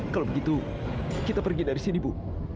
kalau begitu kita pergi dari sini bu